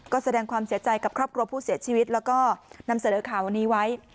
ก็แสดงความเสียใจกับครอบครัวผู้เสียชีวิตแล้วก็นำเสนอข่าวนี้ไว้